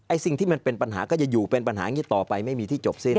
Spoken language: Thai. สิ่งที่มันเป็นปัญหาก็จะอยู่เป็นปัญหาอย่างนี้ต่อไปไม่มีที่จบสิ้น